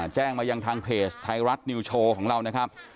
แจ้งมายังทางเพจไทยรัฐนิวโชว์ของเรานะครับ